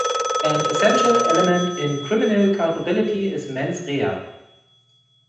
An essential element in criminal culpability is mens rea.